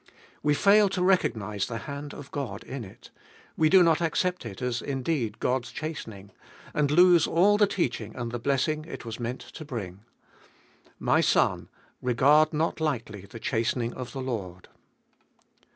We fail to recognise the hand of God in it ; we do not accept it as indeed God's chastening, and lose all the teaching and the blessing it was meant to bring. My son, regard not lightly the chastening of the Lord.